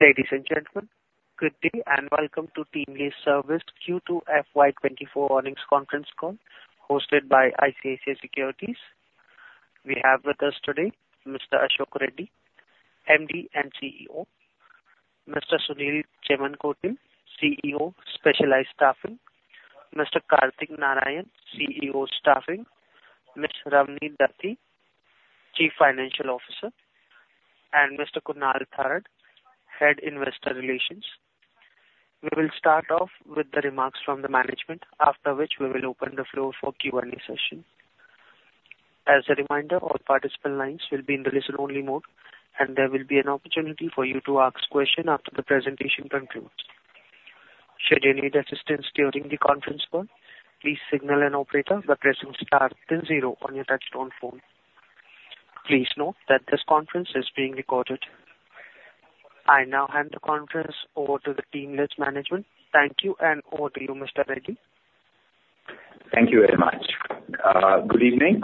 Ladies and gentlemen, good day, and welcome to TeamLease Services Q2 FY24 earnings conference call, hosted by ICICI Securities. We have with us today Mr. Ashok Reddy, MD and CEO, Mr. Sunil Chemmankotil, CEO, Specialized Staffing, Mr. Kartik Narayan, CEO, Staffing, Ms. Ramani Dathi, Chief Financial Officer, and Mr. Kunal Tharad, Head of Investor Relations. We will start off with the remarks from the management, after which we will open the floor for Q&A session. As a reminder, all participant lines will be in the listen-only mode, and there will be an opportunity for you to ask questions after the presentation concludes. Should you need assistance during the conference call, please signal an operator by pressing star then zero on your touchtone phone. Please note that this conference is being recorded. I now hand the conference over to the TeamLease management. Thank you, and over to you, Mr. Reddy. Thank you very much. Good evening.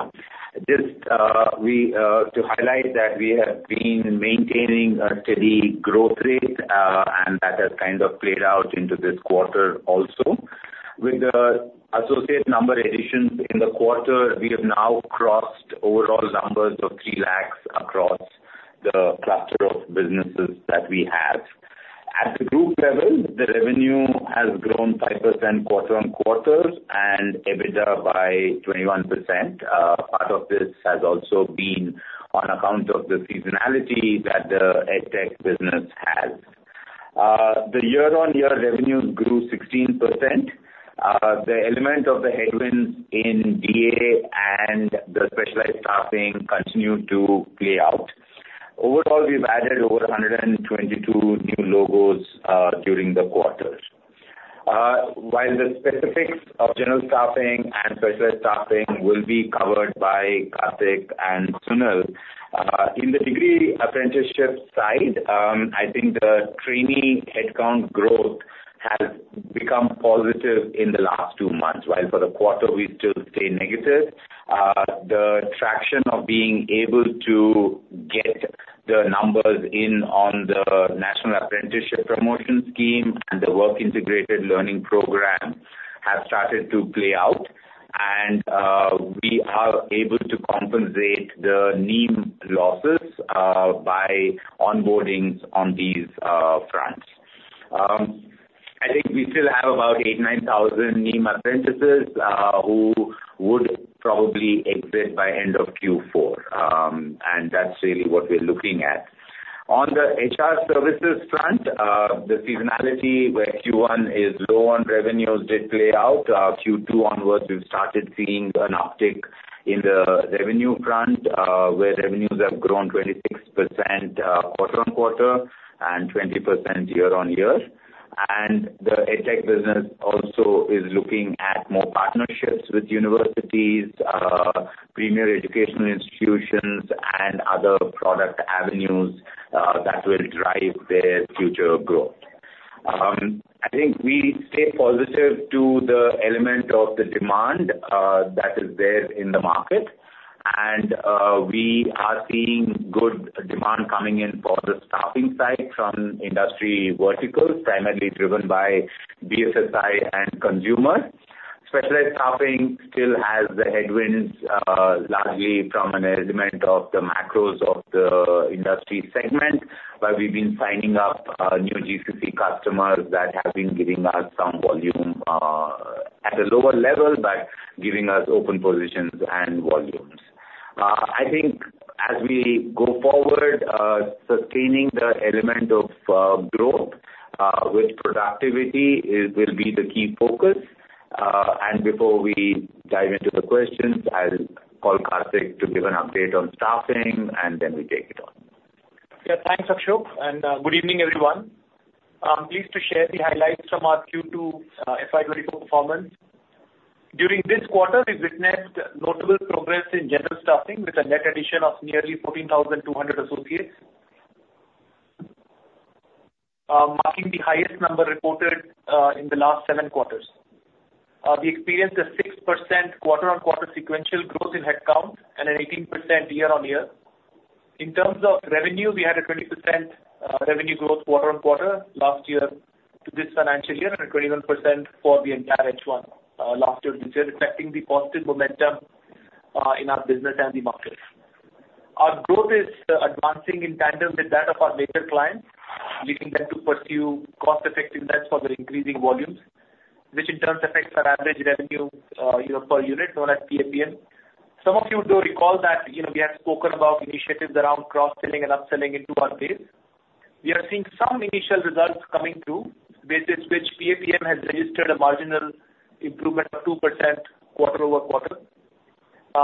Just to highlight that we have been maintaining a steady growth rate, and that has kind of played out into this quarter also. With the associate number additions in the quarter, we have now crossed overall numbers of 3 lakh across the cluster of businesses that we have. At the group level, the revenue has grown 5% quarter-on-quarter and EBITDA by 21%. Part of this has also been on account of the seasonality that the EdTech business has. The year-on-year revenue grew 16%. The element of the headwinds in DA and the specialized staffing continued to play out. Overall, we've added over 122 new logos during the quarter. While the specifics of general staffing and specialized staffing will be covered by Kartik and Sunil, in the degree apprenticeship side, I think the trainee headcount growth has become positive in the last two months, while for the quarter we still stay negative. The traction of being able to get the numbers in on the National Apprenticeship Promotion Scheme and the Work Integrated Learning Program have started to play out, and we are able to compensate the NEEM losses by onboardings on these fronts. I think we still have about 8,000-9,000 NEEM apprentices who would probably exit by end of Q4, and that's really what we're looking at. On the HR services front, the seasonality where Q1 is low on revenues did play out. Q2 onwards, we've started seeing an uptick in the revenue front, where revenues have grown 26%, quarter-on-quarter and 20% year-on-year. The EdTech business also is looking at more partnerships with universities, premier educational institutions and other product avenues, that will drive their future growth. I think we stay positive to the element of the demand, that is there in the market. We are seeing good demand coming in for the staffing side from industry verticals, primarily driven by BFSI and consumer. Specialized staffing still has the headwinds, largely from an element of the macros of the industry segment, but we've been signing up new GCC customers that have been giving us some volume, at a lower level, but giving us open positions and volumes. I think as we go forward, sustaining the element of growth with productivity is, will be the key focus. Before we dive into the questions, I'll call Kartik to give an update on staffing, and then we take it on. Yeah, thanks, Ashok, and, good evening, everyone. I'm pleased to share the highlights from our Q2 FY 2024 performance. During this quarter, we witnessed notable progress in general staffing with a net addition of nearly 14,200 associates, marking the highest number reported in the last seven quarters. We experienced a 6% quarter-on-quarter sequential growth in headcount and an 18% year-on-year. In terms of revenue, we had a 20% revenue growth quarter-on-quarter last year to this financial year, and a 21% for the entire H1 last year, reflecting the positive momentum in our business and the market. Our growth is advancing in tandem with that of our major clients, leading them to pursue cost effectiveness for their increasing volumes, which in turn affects our average revenue, you know, per unit, known as PAPM. Some of you do recall that, you know, we have spoken about initiatives around cross-selling and upselling into our base. We are seeing some initial results coming through, with which PAPM has registered a marginal improvement of 2% quarter-over-quarter.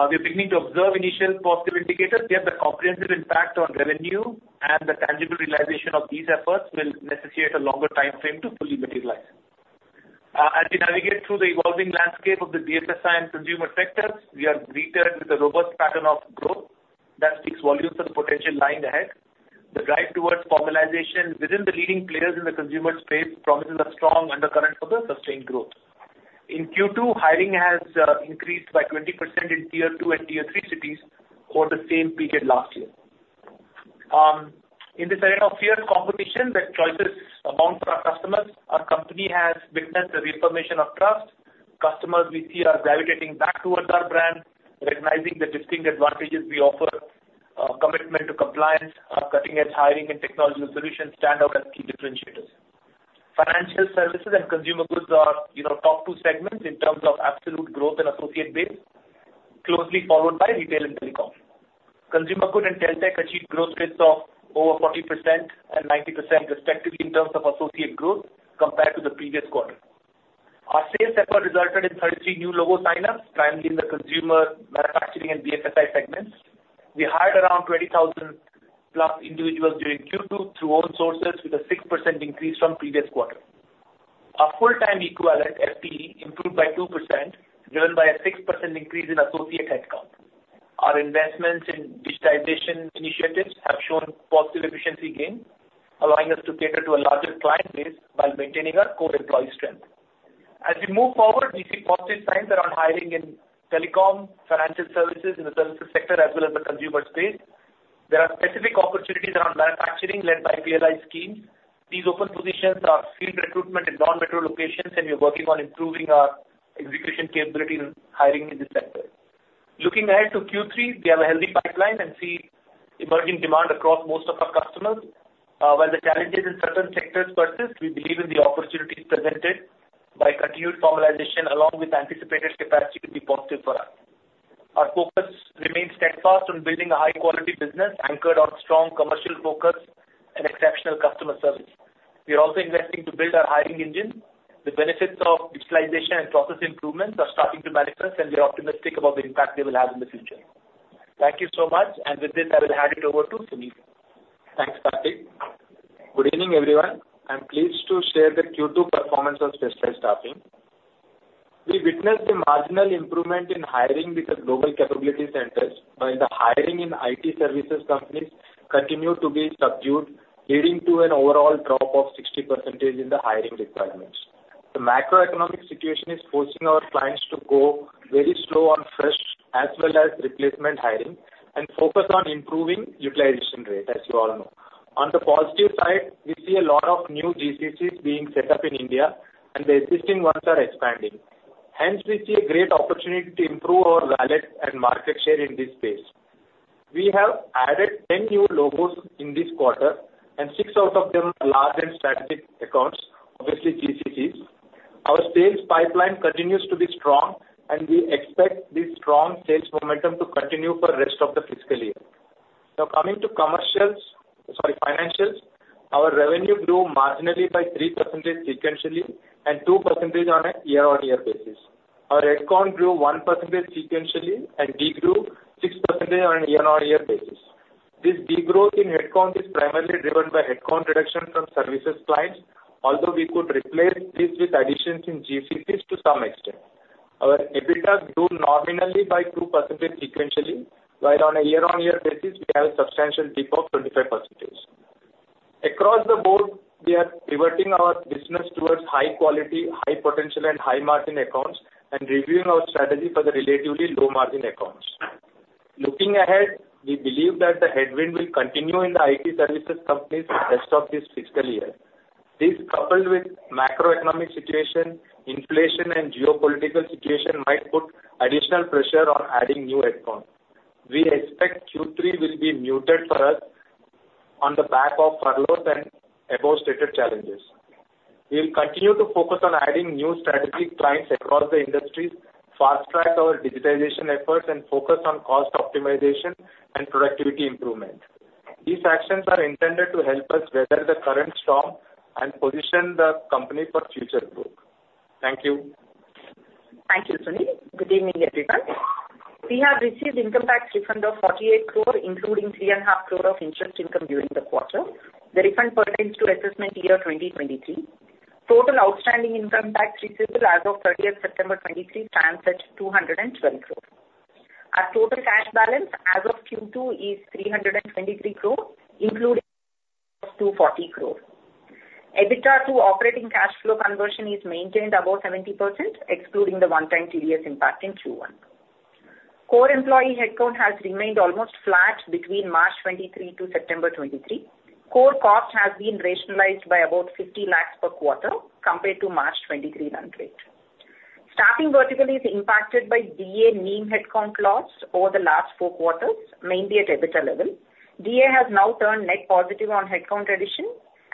We are beginning to observe initial positive indicators, yet the comprehensive impact on revenue and the tangible realization of these efforts will necessitate a longer timeframe to fully materialize. As we navigate through the evolving landscape of the BFSI and consumer sectors, we are greeted with a robust pattern of growth that speaks volumes to the potential lying ahead. The drive towards formalization within the leading players in the consumer space promises a strong undercurrent for the sustained growth. In Q2, hiring has increased by 20% in Tier 2 and Tier 3 cities over the same period last year. In this era of fierce competition that choices abound for our customers, our company has witnessed a reformation of trust. Customers we see are gravitating back towards our brand, recognizing the distinct advantages we offer. Commitment to compliance, our cutting-edge hiring and technological solutions stand out as key differentiators. Financial services and consumer goods are, you know, top two segments in terms of absolute growth and associate base, closely followed by retail and telecom. Consumer good and telco achieved growth rates of over 40% and 90% respectively, in terms of associate growth compared to the previous quarter. Our sales effort resulted in 33 new logo signups, primarily in the consumer, manufacturing, and BFSI segments. We hired around 20,000+ individuals during Q2 through all sources, with a 6% increase from previous quarter. Our full-time equivalent, FTE, improved by 2%, driven by a 6% increase in associate headcount. Our investments in digitization initiatives have shown positive efficiency gain, allowing us to cater to a larger client base while maintaining our core employee strength. As we move forward, we see positive signs around hiring in telecom, financial services, in the services sector, as well as the consumer space. There are specific opportunities around manufacturing, led by PLI schemes. These open positions are field recruitment in non-metro locations, and we're working on improving our execution capability in hiring in this sector. Looking ahead to Q3, we have a healthy pipeline and see emerging demand across most of our customers. While the challenges in certain sectors persist, we believe in the opportunities presented by continued formalization, along with anticipated capacity to be positive for us. Our focus remains steadfast on building a high quality business anchored on strong commercial focus and exceptional customer service. We are also investing to build our hiring engine. The benefits of digitalization and process improvements are starting to manifest, and we are optimistic about the impact they will have in the future. Thank you so much, and with this, I will hand it over to Sunil. Thanks, Kartik. Good evening, everyone. I'm pleased to share the Q2 performance of Specialized Staffing. We witnessed a marginal improvement in hiring with the global capability centers, while the hiring in IT services companies continued to be subdued, leading to an overall drop of 60% in the hiring requirements. The macroeconomic situation is forcing our clients to go very slow on fresh as well as replacement hiring, and focus on improving utilization rate, as you all know. On the positive side, we see a lot of new GCCs being set up in India, and the existing ones are expanding. Hence, we see a great opportunity to improve our wallet and market share in this space. We have added 10 new logos in this quarter, and six out of them are large and strategic accounts, obviously GCCs. Our sales pipeline continues to be strong, and we expect this strong sales momentum to continue for the rest of the fiscal year. Now, coming to commercials, sorry, financials, our revenue grew marginally by 3% sequentially, and 2% on a year-over-year basis. Our headcount grew 1% sequentially and de-grew 6% on a year-over-year basis. This de-growth in headcount is primarily driven by headcount reduction from services clients, although we could replace this with additions in GCCs to some extent. Our EBITDA grew nominally by 2% sequentially, while on a year-over-year basis, we have a substantial dip of 25%. Across the board, we are pivoting our business towards high quality, high potential, and high margin accounts, and reviewing our strategy for the relatively low margin accounts. Looking ahead, we believe that the headwind will continue in the IT services companies for the rest of this fiscal year. This, coupled with macroeconomic situation, inflation, and geopolitical situation, might put additional pressure on adding new headcount. We expect Q3 will be muted for us on the back of furloughs and above-stated challenges. We will continue to focus on adding new strategic clients across the industries, fast-track our digitization efforts, and focus on cost optimization and productivity improvement. These actions are intended to help us weather the current storm and position the company for future growth. Thank you. Thank you, Sunil. Good evening, everyone. We have received income tax refund of 48 crore, including 3.5 crore of interest income during the quarter. The refund pertains to assessment year 2023. Total outstanding income tax receivable as of September 30th 2023 stands at 220 crore. Our total cash balance as of Q2 is 323 crore, including 240 crore. EBITDA to operating cash flow conversion is maintained above 70%, excluding the one-time TDS impact in Q1. Core employee headcount has remained almost flat between March 2023 to September 2023. Core cost has been rationalized by about 50 lakh per quarter compared to March 2023 run rate. The staffing vertical is impacted by DA, NEEM headcount loss over the last four quarters, mainly at EBITDA level. DA has now turned net positive on headcount addition,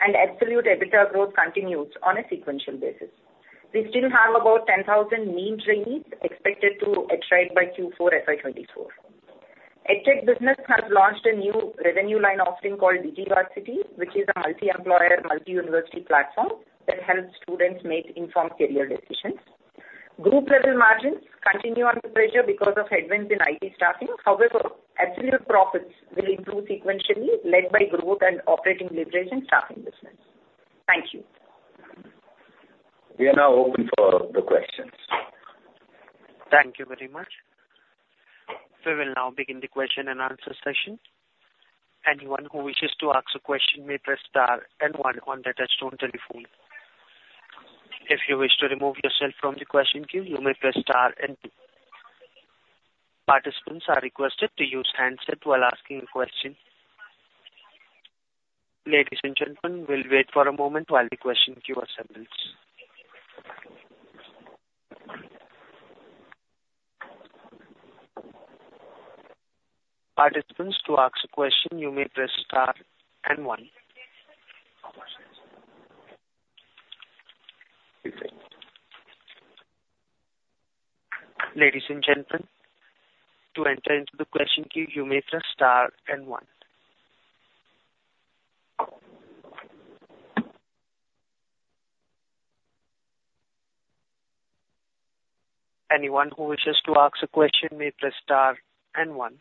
and absolute EBITDA growth continues on a sequential basis. We still have about 10,000 NEEM trainees expected to attrite by Q4 FY 2024. EdTech business has launched a new revenue line offering called Digivarsity, which is a multi-employer, multi-university platform that helps students make informed career decisions. Group level margins continue under pressure because of headwinds in IT staffing. However, absolute profits will improve sequentially, led by growth and operating leverage in staffing business. Thank you. We are now open for the questions. Thank you very much. ... We will now begin the question and answer session. Anyone who wishes to ask a question may press star and one on the touchtone telephone. If you wish to remove yourself from the question queue, you may press star and two. Participants are requested to use handset while asking a question. Ladies and gentlemen, we'll wait for a moment while the question queue assembles. Participants, to ask a question you may press star and one. Ladies and gentlemen, to enter into the question queue, you may press star and one. Anyone who wishes to ask a question may press star and one.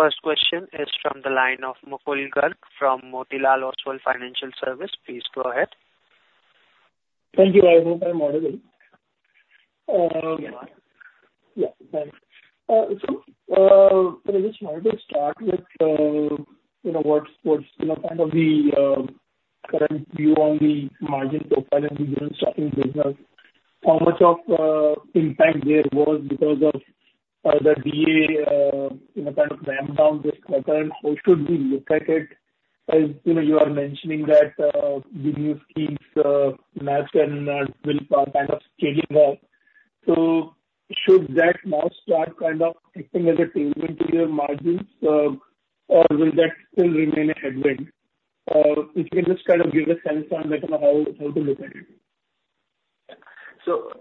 First question is from the line of Mukul Garg from Motilal Oswal Financial Services. Please go ahead. Thank you. I hope I'm audible. Yeah, thanks. So, I just wanted to start with, you know, what, what's, you know, kind of the current view on the margin profile in the general staffing business. How much of impact there was because of the DA, you know, kind of ramp down this quarter? How should we look at it? As, you know, you are mentioning that the new schemes, NAPS and NEEM will kind of changing now. So should that now start kind of acting as a tailwind to your margins, or will that still remain a headwind? If you can just kind of give a sense on that, on how, how to look at it. So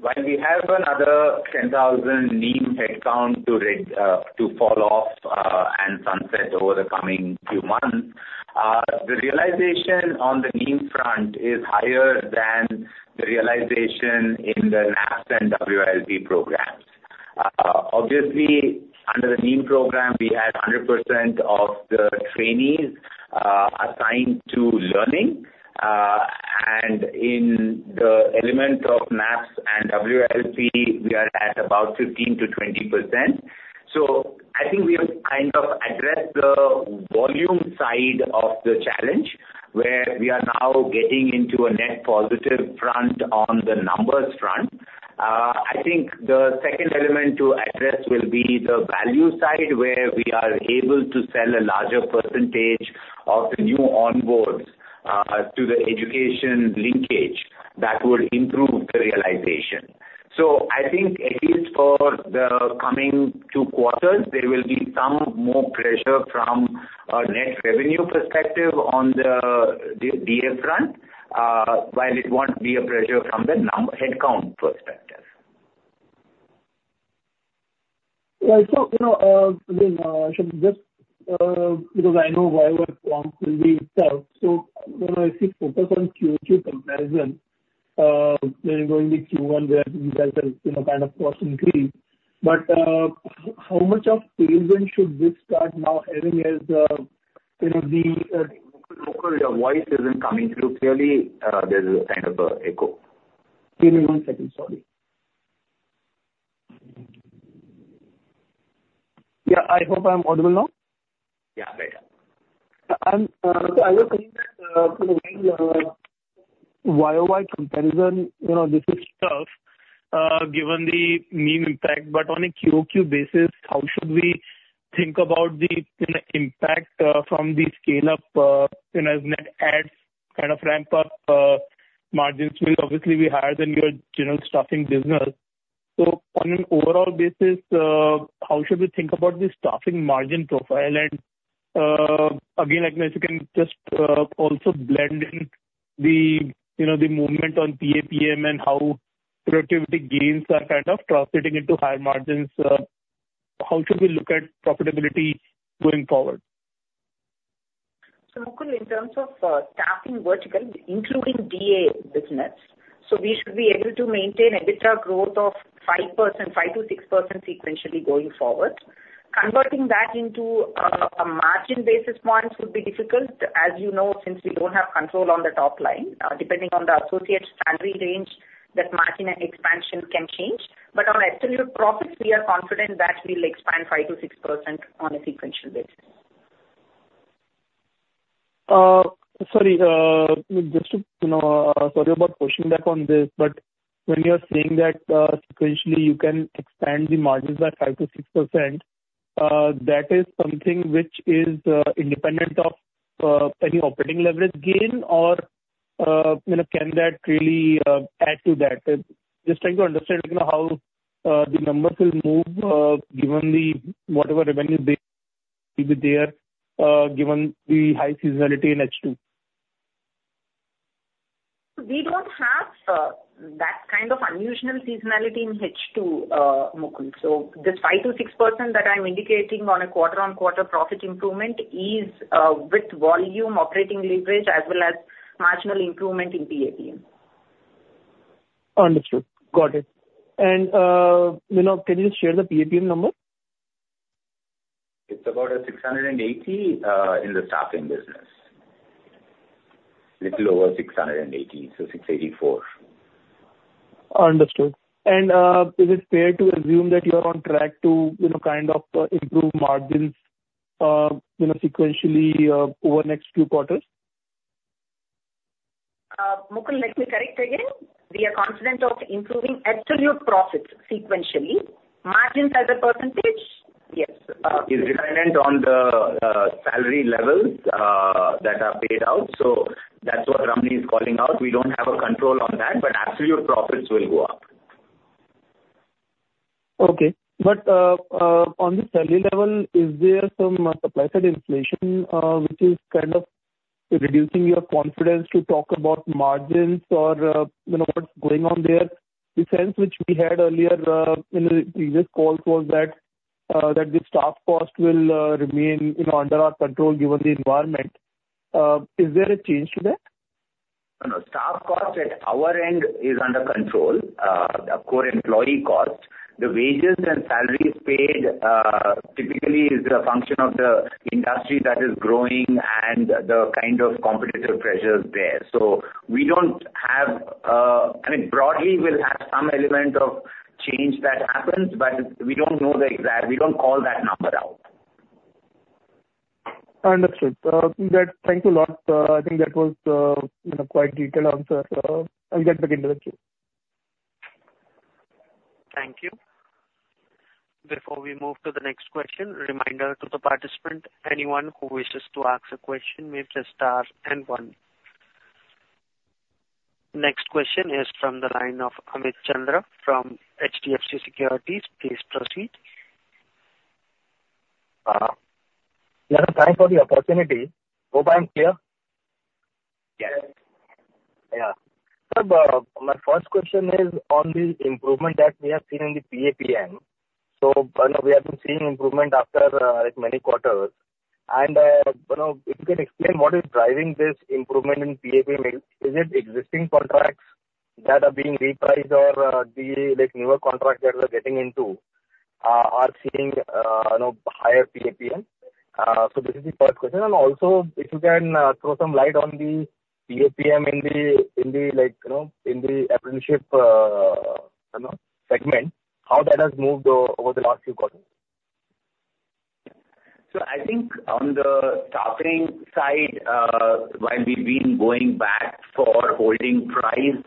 while we have another 10,000 NEEM headcount to fall off, and sunset over the coming few months, the realization on the NEEM front is higher than the realization in the NAPS and WILP programs. Obviously, under the NEEM program, we had 100% of the trainees, assigned to learning, and in the element of NAPS and WILP, we are at about 15%-20%. So I think we have kind of addressed the volume side of the challenge, where we are now getting into a net positive front on the numbers front. I think the second element to address will be the value side, where we are able to sell a larger percentage of the new onboards, to the education linkage that will improve the realization. So I think at least for the coming two quarters, there will be some more pressure from a net revenue perspective on the DA front, while it won't be a pressure from the headcount perspective. Yeah. So, you know, again, I should just, because I know why our forms will be tough. So, you know, if we focus on QQ comparison, there is going to be Q1, where you guys are, you know, kind of crossing three. But, how much of tailwind should this start now, having as, you know, the- Mukul, your voice isn't coming through clearly. There's a kind of a echo. Give me one second. Sorry. Yeah, I hope I'm audible now. Yeah, better. And, I was saying, you know, year-on-year, YoY comparison, you know, this is tough, given the macro impact. But on a QoQ basis, how should we think about the, you know, impact, from the scale-up, you know, as net adds kind of ramp up, margins will obviously be higher than your general staffing business. So on an overall basis, how should we think about the staffing margin profile? And, again, I guess you can just, also blend in the, you know, the movement on PAPM and how productivity gains are kind of translating into higher margins. How should we look at profitability going forward? So, Mukul, in terms of staffing vertical, including DA business. So we should be able to maintain EBITDA growth of 5%, 5%-6% sequentially going forward. Converting that into a margin basis points would be difficult, as you know, since we don't have control on the top line. Depending on the associates' salary range, that margin and expansion can change. But on absolute profits, we are confident that will expand 5%-6% on a sequential basis. Sorry, you know, sorry about pushing back on this, but when you are saying that sequentially you can expand the margins by 5%-6%, that is something which is independent of any operating leverage gain, or, you know, can that really add to that? Just trying to understand, you know, how the numbers will move given the whatever revenue base will be there, given the high seasonality in H2. We don't have that kind of unusual seasonality in H2, Mukul. So this 5%-6% that I'm indicating on a quarter-on-quarter profit improvement is with volume, operating leverage, as well as marginal improvement in PAPM. Understood. Got it. And, you know, can you just share the PAPM number?... It's about 680 in the staffing business. Little over 680, so 684. Understood. And, is it fair to assume that you are on track to, you know, kind of, improve margins, you know, sequentially, over the next few quarters? Mukul, let me correct again. We are confident of improving absolute profits sequentially. Margins as a percentage, yes. Is dependent on the salary levels that are paid out, so that's what Ramani is calling out. We don't have a control on that, but absolute profits will go up. Okay. But, on the salary level, is there some supply side inflation, which is kind of reducing your confidence to talk about margins or, you know, what's going on there? The sense which we had earlier, in the previous calls was that, that the staff cost will remain, you know, under our control, given the environment. Is there a change to that? No, no. Staff cost at our end is under control, the core employee cost. The wages and salaries paid, typically is a function of the industry that is growing and the kind of competitive pressures there. So we don't have, I mean, broadly, we'll have some element of change that happens, but we don't know the exact. We don't call that number out. Understood. Thank you a lot. I think that was, you know, quite detailed answer. I'll get back into the queue. Thank you. Before we move to the next question, reminder to the participant, anyone who wishes to ask a question may press star then one. Next question is from the line of Amit Chandra from HDFC Securities. Please proceed. Thanks for the opportunity. Hope I'm clear? Yes. Yeah. So, my first question is on the improvement that we have seen in the PAPM. So, you know, we have been seeing improvement after, like, many quarters. And, you know, if you can explain what is driving this improvement in PAPM, is it existing contracts that are being repriced or, the, like, newer contracts that we're getting into, are seeing, you know, higher PAPM? So this is the first question. And also, if you can, throw some light on the PAPM in the, in the like, you know, in the apprenticeship, you know, segment, how that has moved over the last few quarters. So I think on the staffing side, while we've been going back for holding price,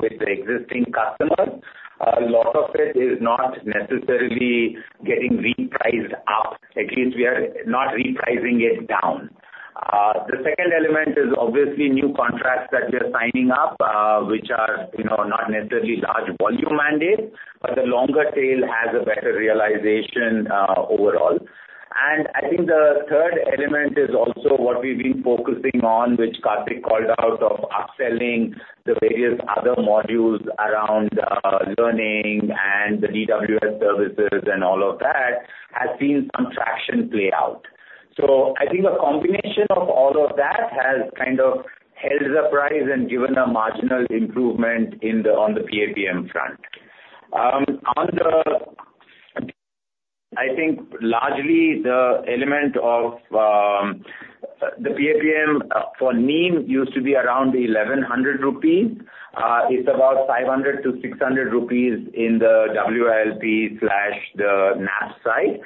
with the existing customers, a lot of it is not necessarily getting repriced up. At least we are not repricing it down. The second element is obviously new contracts that we are signing up, which are, you know, not necessarily large volume mandates, but the longer tail has a better realization, overall. And I think the third element is also what we've been focusing on, which Kartik called out, of upselling the various other modules around, learning and the DWS services and all of that, has seen some traction play out. So I think a combination of all of that has kind of held the price and given a marginal improvement in the on the PAPM front. On the, I think largely the element of, the PAPM, for NEEM used to be around 1,100 rupees. It's about 500-600 rupees in the WLP/ the NAPS side.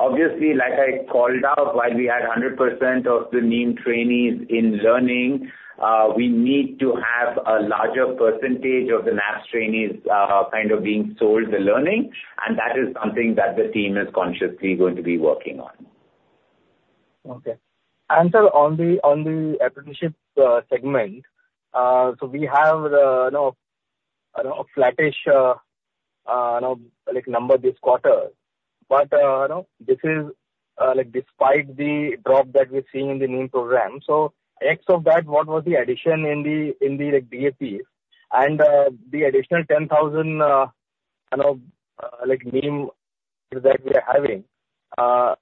Obviously, like I called out, while we had 100% of the NEEM trainees in learning, we need to have a larger percentage of the NAPS trainees, kind of being sold the learning, and that is something that the team is consciously going to be working on. Okay. And so on the apprenticeships segment, so we have the you know a flattish number this quarter. But you know, this is like despite the drop that we're seeing in the NEEM program. So rest of that, what was the addition in the DA? And the additional 10,000 you know like NEEM that we are having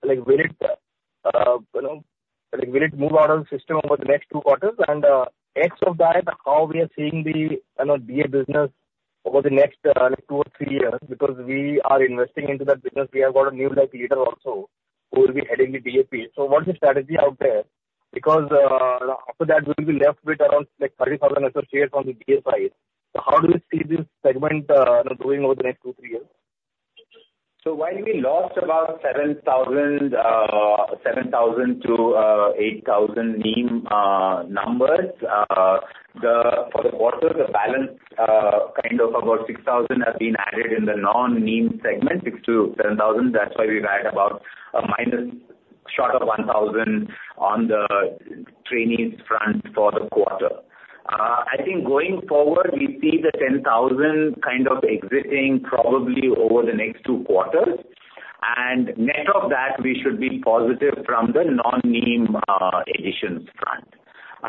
like will it move out of the system over the next two quarters? And rest of that, how we are seeing the DA business over the next two or three years, because we are investing into that business. We have got a new like leader also, who will be heading the DA. So what is the strategy out there? Because, after that, we'll be left with around like 30,000 associates on the DA side. So how do we see this segment growing over the next two, three years? So while we lost about 7,000 to 8,000 NEEM numbers for the quarter, the balance kind of about 6,000 has been added in the non-NEEM segment, 6,000-10,000. That's why we were at about a minus short of 1,000 on the trainees front for the quarter. I think going forward, we see the 10,000 kind of exiting probably over the next two quarters, and net of that, we should be positive from the non-NEEM additions front.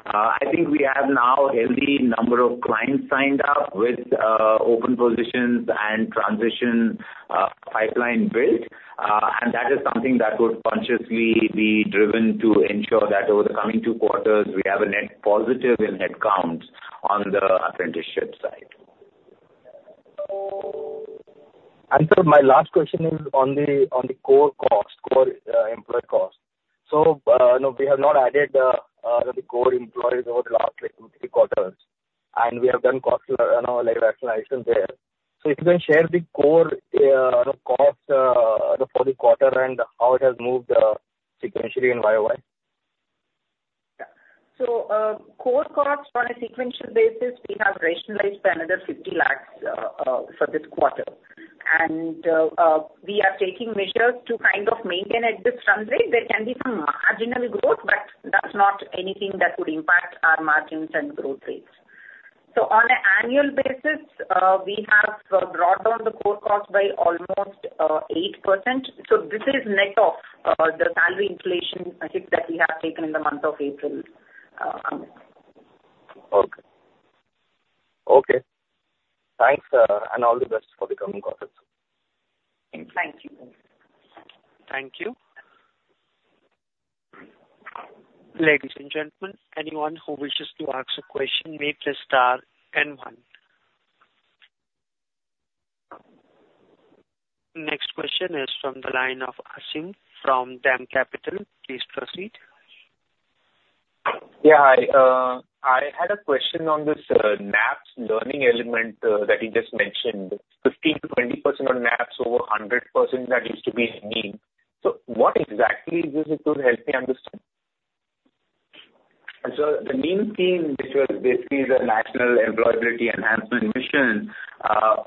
I think we have now a healthy number of clients signed up with open positions and transition pipeline built. And that is something that would consciously be driven to ensure that over the coming two quarters, we have a net positive in headcounts on the apprenticeship side.... And so my last question is on the, on the core cost, core, employee cost. So, you know, we have not added, the core employees over the last like three quarters, and we have done cost, you know, like rationalization there. So if you can share the core, cost, for the quarter and how it has moved, sequentially and YoY. Yeah. So, core costs on a sequential basis, we have rationalized another 50 lakhs for this quarter. And, we are taking measures to kind of maintain at this run rate. There can be some marginal growth, but that's not anything that would impact our margins and growth rates. So on an annual basis, we have brought down the core cost by almost 8%. So this is net of the salary inflation, I think, that we have taken in the month of April, Amit. Okay. Okay, thanks, and all the best for the coming quarters. Thank you. Thank you. Ladies and gentlemen, anyone who wishes to ask a question may press star and one. Next question is from the line of Aasim from DAM Capital. Please proceed. Yeah, I had a question on this, NAPS learning element, that you just mentioned, 15%-20% on NAPS, over 100% that used to be in NEEM. So what exactly is this? If you would help me understand. So the NEEM scheme, which was basically the National Employability Enhancement Mission,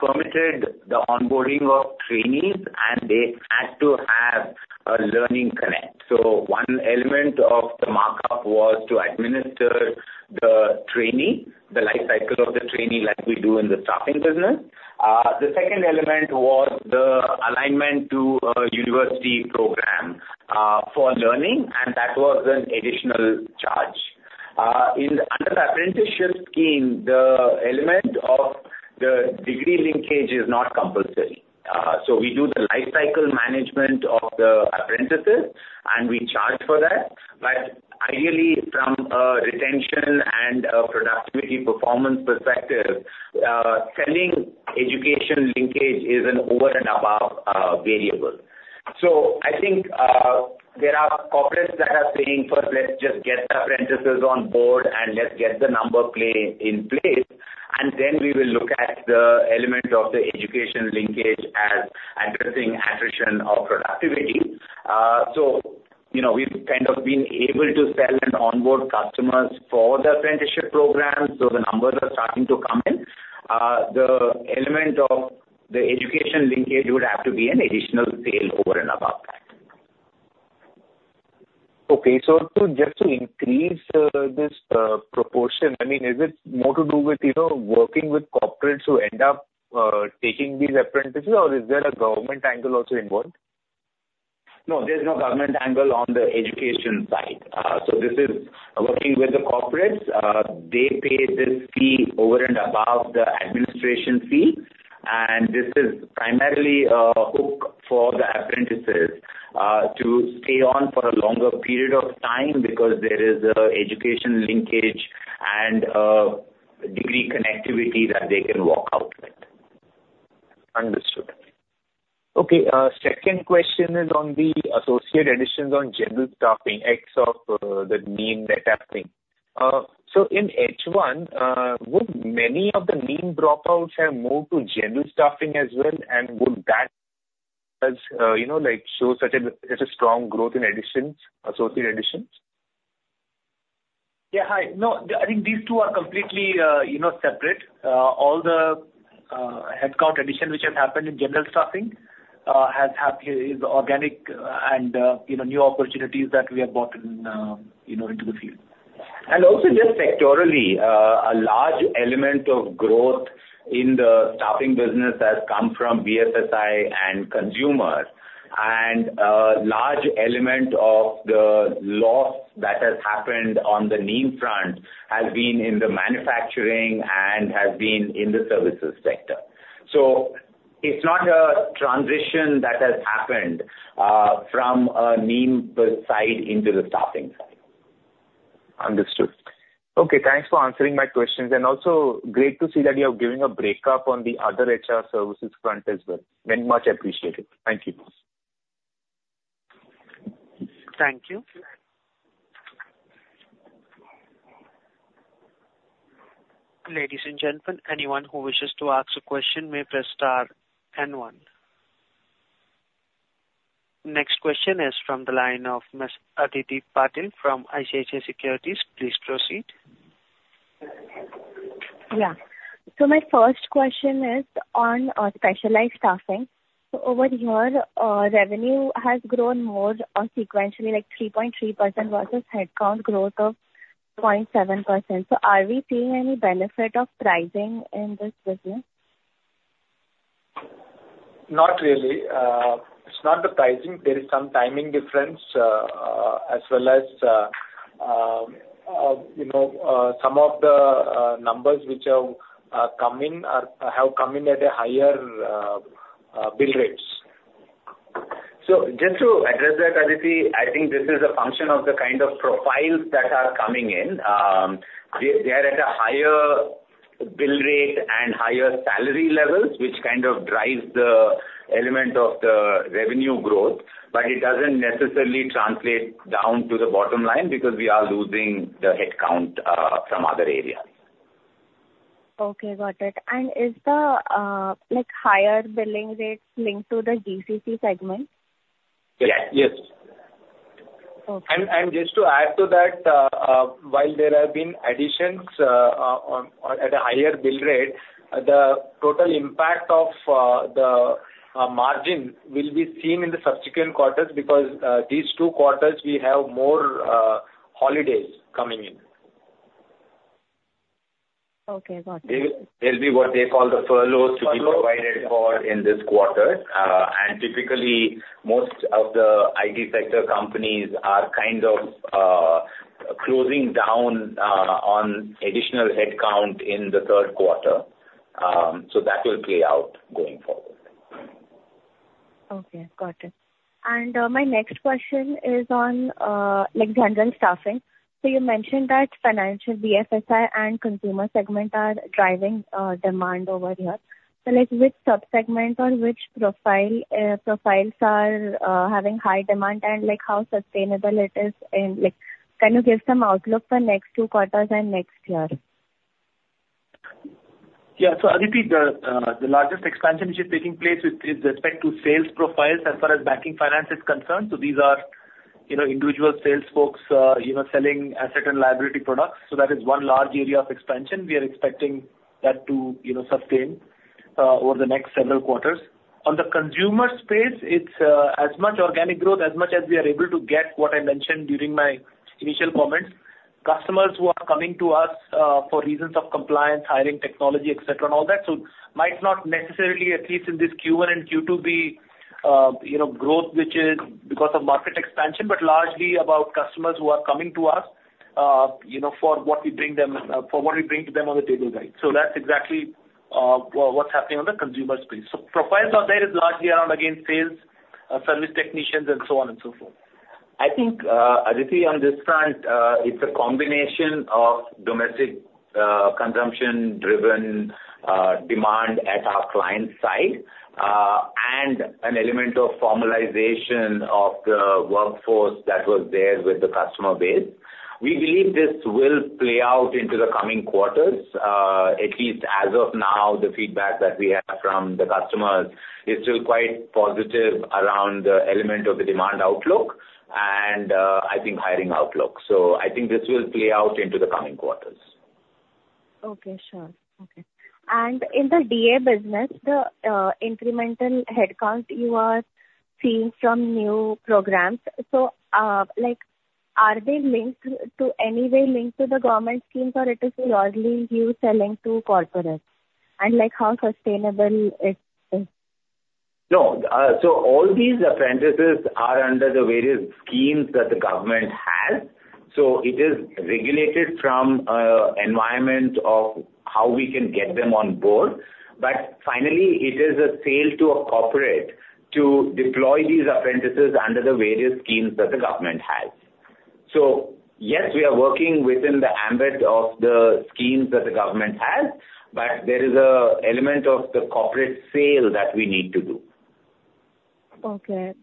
permitted the onboarding of trainees, and they had to have a learning connect. One element of the markup was to administer the trainee, the life cycle of the trainee, like we do in the staffing business. The second element was the alignment to a university program, for learning, and that was an additional charge. In, under the apprenticeship scheme, the element of the degree linkage is not compulsory. We do the life cycle management of the apprentices, and we charge for that. But ideally, from a retention and a productivity performance perspective, selling education linkage is an over and above, variable. So I think, there are corporates that are saying, "First, let's just get the apprentices on board and let's get the number play in place, and then we will look at the element of the education linkage as addressing attrition or productivity." So, you know, we've kind of been able to sell and onboard customers for the apprenticeship program, so the numbers are starting to come in. The element of the education linkage would have to be an additional sale over and above that. Okay. So just to increase this proportion, I mean, is it more to do with, you know, working with corporates who end up taking these apprentices, or is there a government angle also involved? No, there's no government angle on the education side. So this is working with the corporates. They pay this fee over and above the administration fee, and this is primarily a hook for the apprentices, to stay on for a longer period of time because there is an education linkage and, degree connectivity that they can walk out with. Understood. Okay, second question is on the associate additions on general staffing, X of the NEEM that happened. So in H1, would many of the NEEM dropouts have moved to general staffing as well, and would that as, you know, like, show such a, such a strong growth in additions, associate additions? Yeah, hi. No, I think these two are completely, you know, separate. All the headcount addition, which has happened in general staffing, has happened... is organic and, you know, new opportunities that we have brought in, you know, into the field. And also just sectorally, a large element of growth in the staffing business has come from BFSI and consumer. And a large element of the loss that has happened on the NEEM front has been in the manufacturing and has been in the services sector. So it's not a transition that has happened, from a NEEM per se into the staffing side. Understood. Okay, thanks for answering my questions, and also great to see that you are giving a breakup on the other HR services front as well. Much appreciated. Thank you. Thank you. Ladies and gentlemen, anyone who wishes to ask a question may press star and one. Next question is from the line of Miss Aditi Patil from ICICI Securities. Please proceed. Yeah. So my first question is on specialized staffing. So over here, revenue has grown more sequentially, like 3.3% versus headcount growth of 0.7%. So are we seeing any benefit of pricing in this business? Not really. It's not the pricing. There is some timing difference, as well as, you know, some of the numbers which have come in have come in at a higher bill rates. Just to address that, Aditi, I think this is a function of the kind of profiles that are coming in. They are at a higher bill rate and higher salary levels, which kind of drives the element of the revenue growth. But it doesn't necessarily translate down to the bottom line, because we are losing the headcount from other areas. Okay, got it. Is the, like, higher billing rates linked to the GCC segment? Yeah. Yes. Okay. And just to add to that, while there have been additions at a higher bill rate, the total impact of the margin will be seen in the subsequent quarters, because these two quarters we have more holidays coming in. Okay, got it. There, there'll be what they call the furloughs to be provided for in this quarter. Typically, most of the IT sector companies are kind of closing down on additional headcount in the third quarter. That will play out going forward. Okay, got it. And my next question is on, like, general staffing. So you mentioned that financial BFSI and consumer segment are driving demand over here. So like, which sub-segment or which profile, profiles are having high demand, and like, how sustainable it is? And like, can you give some outlook for next two quarters and next year? Yeah. So Aditi, the largest expansion which is taking place with respect to sales profiles as far as banking finance is concerned, so these are, you know, individual sales folks, you know, selling asset and liability products. So that is one large area of expansion. We are expecting that to, you know, sustain over the next several quarters. On the consumer space, it's as much organic growth, as much as we are able to get, what I mentioned during my initial comments. Customers who are coming to us for reasons of compliance, hiring, technology, et cetera, and all that. So might not necessarily, at least in this Q1 and Q2 be, you know, growth, which is because of market expansion, but largely about customers who are coming to us, you know, for what we bring them, for what we bring to them on the table, right? So that's exactly, what's happening on the consumer space. So profiles out there is largely around, again, sales, service technicians and so on and so forth. I think, Aditi, on this front, it's a combination of domestic, consumption-driven, demand at our client side, and an element of formalization of the workforce that was there with the customer base. We believe this will play out into the coming quarters. At least as of now, the feedback that we have from the customers is still quite positive around the element of the demand outlook and, I think hiring outlook. So I think this will play out into the coming quarters. Okay, sure. Okay. And in the DA business, the incremental headcount you are seeing from new programs, so, like, are they linked to any way linked to the government schemes, or it is largely you selling to corporates? And, like, how sustainable it is? No. So all these apprentices are under the various schemes that the government has. So it is regulated from the environment of how we can get them on board. But finally, it is a sale to a corporate to deploy these apprentices under the various schemes that the government has. So yes, we are working within the ambit of the schemes that the government has, but there is an element of the corporate sale that we need to do. Okay.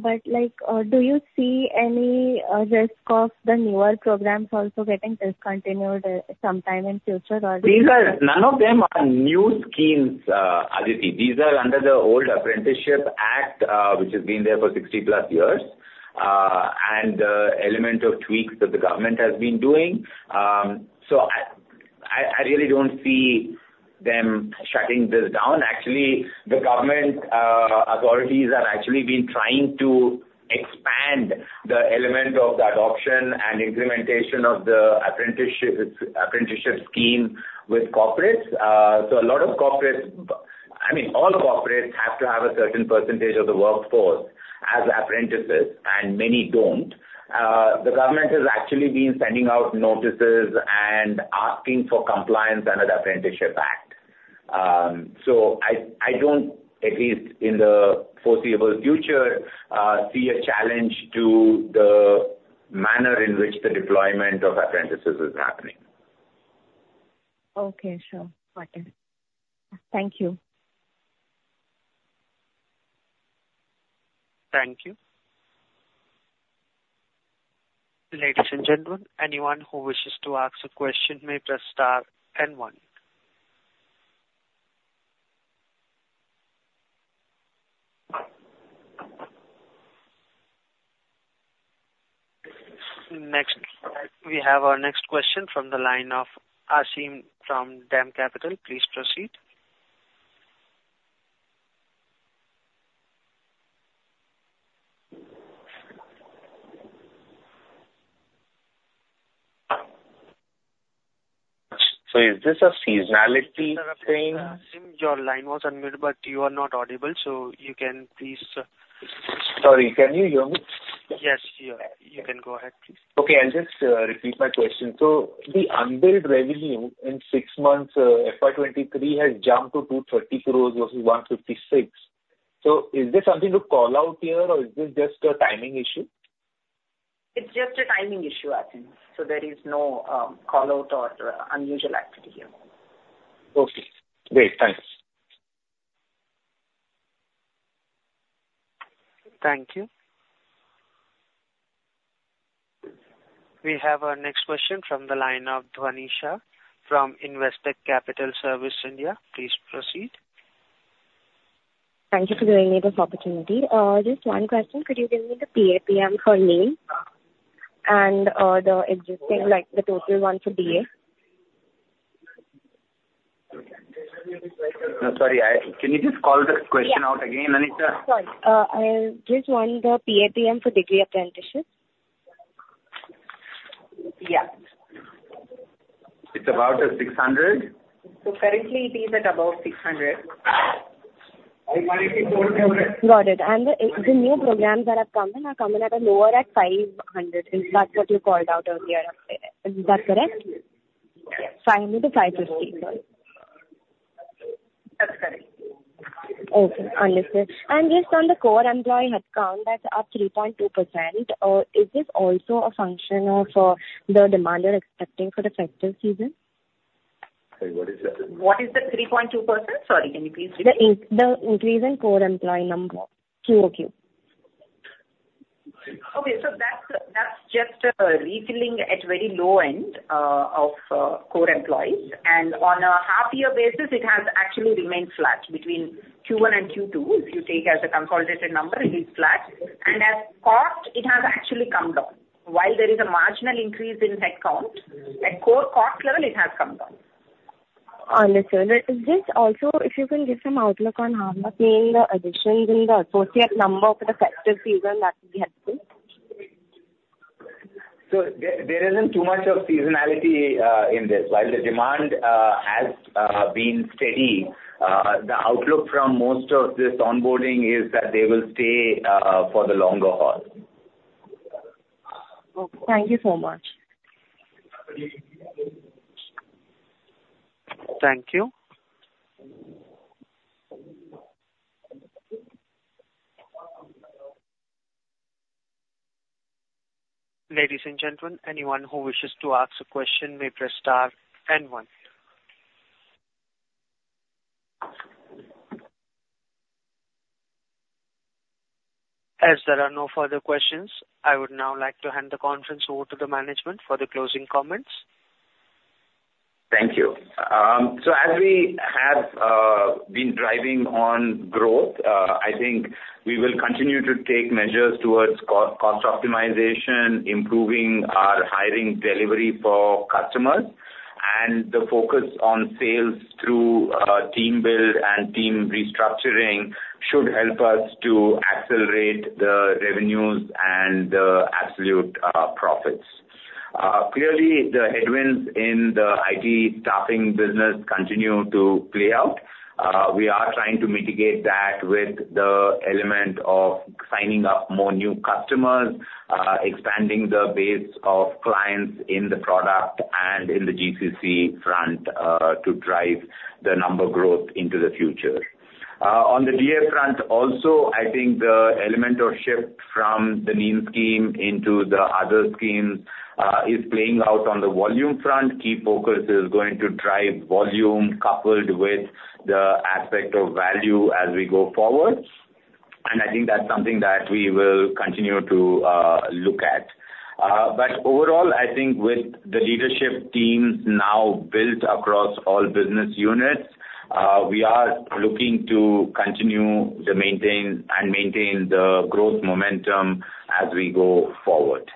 But, like, do you see any risk of the newer programs also getting discontinued sometime in future or? These are... None of them are new schemes, Aditi. These are under the old Apprenticeship Act, which has been there for 60+ years, and the element of tweaks that the government has been doing. So I really don't see them shutting this down. Actually, the government authorities have actually been trying to expand the element of the adoption and implementation of the apprenticeships, apprenticeship scheme with corporates. So a lot of corporates, I mean, all of corporates have to have a certain percentage of the workforce as apprentices, and many don't. The government has actually been sending out notices and asking for compliance under the Apprenticeship Act. So I don't, at least in the foreseeable future, see a challenge to the manner in which the deployment of apprentices is happening. Okay, sure. Got it. Thank you. Thank you. Ladies and gentlemen, anyone who wishes to ask a question may press star, then one. Next, we have our next question from the line of Aasim from Dam Capital. Please proceed. Is this a seasonality thing? Aasim, your line was unmuted, but you are not audible, so you can please. Sorry, can you hear me? ... Yes, sure. You can go ahead, please. Okay, I'll just repeat my question. So the unbilled revenue in six months, FY 2023 has jumped to 230 crore versus 156 crore. So is there something to call out here, or is this just a timing issue? It's just a timing issue, I think. There is no call-out or unusual activity here. Okay, great. Thanks. Thank you. We have our next question from the line of Dhanisha from Investec Capital Services India. Please proceed. Thank you for giving me this opportunity. Just one question. Could you give me the PAPM for NEEM? And the existing, like, the total one for DA? I'm sorry. Can you just call the question out again, Dhanisha? Sorry. I just want the PAPM for degree apprenticeships. Yeah. It's about 600. Currently it is at about 600. Got it. And the new programs that are coming at a lower, at 500. Is that what you called out earlier? Is that correct? Yes. 500-550. That's correct. Okay, understood. Just on the core employee headcount, that's up 3.2%. Is this also a function of the demand you're expecting for the festive season? Sorry, what is that? What is the 3.2%? Sorry, can you please repeat? The increase in core employee number, QoQ. Okay, so that's just refilling at very low end of core employees. On a half year basis, it has actually remained flat between Q1 and Q2. If you take as a consolidated number, it is flat. As cost, it has actually come down. While there is a marginal increase in headcount, at core cost level, it has come down. Understood. Is this also... If you can give some outlook on how much may be the additions in the associate number for the festive season, that would be helpful? So there isn't too much of seasonality in this. While the demand has been steady, the outlook from most of this onboarding is that they will stay for the longer haul. Okay. Thank you so much. Thank you. Ladies and gentlemen, anyone who wishes to ask a question, may press star and one. As there are no further questions, I would now like to hand the conference over to the management for the closing comments. Thank you. So as we have been driving on growth, I think we will continue to take measures towards cost optimization, improving our hiring delivery for customers, and the focus on sales through team build and team restructuring should help us to accelerate the revenues and the absolute profits. Clearly, the headwinds in the IT staffing business continue to play out. We are trying to mitigate that with the element of signing up more new customers, expanding the base of clients in the product and in the GCC front, to drive the number growth into the future. On the DA front also, I think the element of shift from the LEAN scheme into the other schemes is playing out on the volume front. Key focus is going to drive volume coupled with the aspect of value as we go forward. I think that's something that we will continue to look at. But overall, I think with the leadership teams now built across all business units, we are looking to continue to maintain and maintain the growth momentum as we go forward.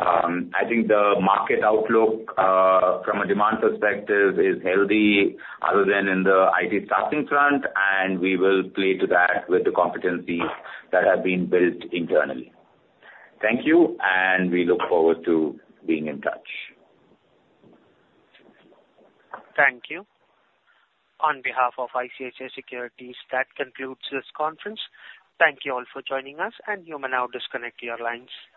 I think the market outlook, from a demand perspective, is healthy other than in the IT staffing front, and we will play to that with the competencies that have been built internally. Thank you, and we look forward to being in touch. Thank you. On behalf of ICICI Securities, that concludes this conference. Thank you all for joining us, and you may now disconnect your lines.